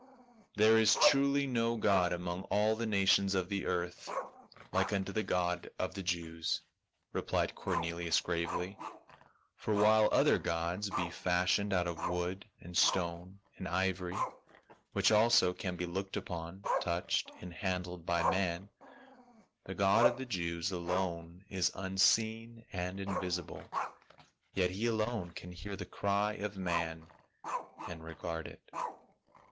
"There is truly no god among all the nations of the earth like unto the God of the Jews," replied Cor nelius gravely, " for while other gods be fashioned out of wood and stone and ivory — which also can be looked upon, touched and handled by man, the God of the Jews alone is unseen and invisible, yet he alone can hear the cry of man and regard it."